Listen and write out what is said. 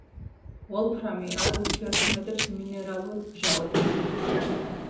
ვოლფრამი არ ურთიერთქმედებს მინერალურ მჟავებთან.